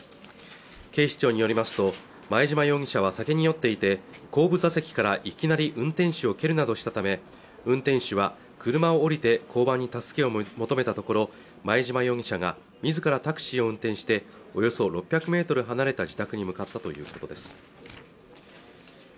警視庁によりますと前嶋容疑者は酒に酔っていて後部座席からいきなり運転手を蹴るなどしたため運転手は車を降りて交番に助けを求めたところ前嶋容疑者が自らタクシーを運転しておよそ６００ｍ離れた自宅に向かったということです